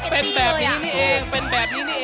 เป็นแบบนี้นี่เองเป็นแบบนี้นี่เอง